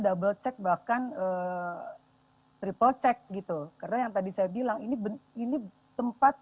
double check bahkan triple check gitu karena yang tadi saya bilang ini ini tempat